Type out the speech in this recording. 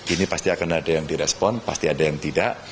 ini pasti akan ada yang direspon pasti ada yang tidak